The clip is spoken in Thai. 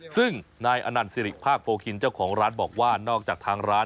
ซึ่งนายอนันต์สิริภาคโพคินเจ้าของร้านบอกว่านอกจากทางร้าน